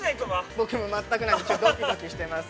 ◆僕も全くなんで、どきどきしてます。